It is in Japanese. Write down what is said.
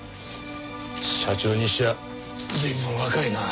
社長にしちゃ随分若いな。